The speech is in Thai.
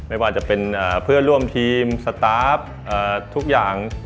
ไม่ว่าจะเป็นเพื่อนร่วมทีมสตาร์ฟทุกอย่าง